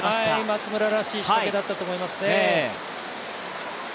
松村らしい仕掛けだったと思いますね。